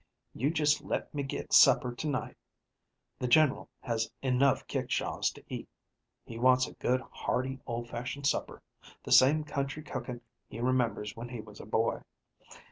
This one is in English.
"You just let me get supper to night. The Gen'ral has enough kickshaws to eat; he wants a good, hearty, old fashioned supper, the same country cooking he remembers when he was a boy.